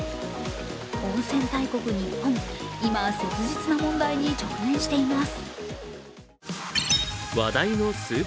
温泉大国ニッポン、今、切実な問題に直面しています。